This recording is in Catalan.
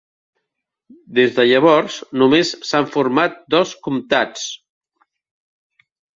Des de llavors només s'han format dos comtats.